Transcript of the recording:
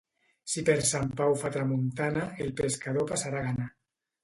Si per Sant Pau fa tramuntana, el pescador passarà gana.